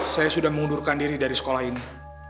saya sudah mengundurkan diri dari sekolah ini